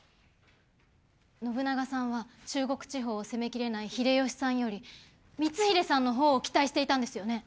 信長さんは中国地方を攻めきれない秀吉さんより光秀さんのほうを期待していたんですよね？